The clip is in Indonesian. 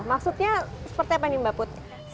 maksudnya seperti apa nih mbak put